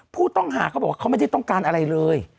ผู้ต้องหาเขาบอกว่าเขาไม่ได้ต้องการอะไรเลย